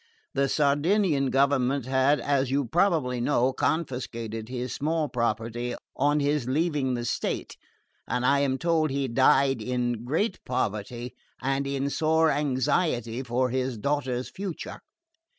The Sardinian government had, as you probably know, confiscated his small property on his leaving the state, and I am told he died in great poverty, and in sore anxiety for his daughter's future."